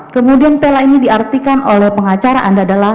kemudian pela ini diartikan oleh pengacara anda adalah